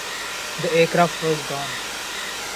The aircraft was gone.